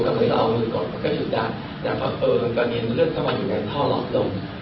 ก็เหมือนเราเอาเลือดกดมันก็ถึงได้แต่พอเออตอนนี้มันเลือดเท่าไหวอยู่ในท่อหลอดลง